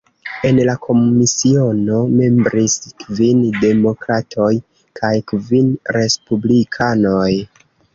En la komisiono membris kvin Demokratoj kaj kvin Respublikanoj.